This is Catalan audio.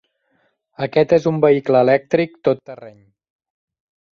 Aquest és un vehicle elèctric tot terreny.